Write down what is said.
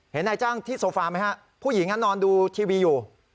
นายจ้างที่โซฟาไหมฮะผู้หญิงนอนดูทีวีอยู่